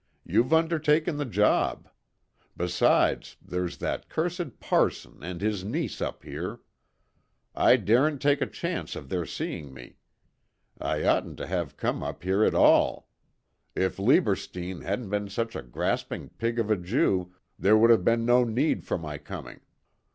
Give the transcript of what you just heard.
You've undertaken the job. Besides, there's that cursed parson and his niece up here. I daren't take a chance of their seeing me. I oughtn't to have come up here at all. If Lieberstein hadn't been such a grasping pig of a Jew there would have been no need for my coming.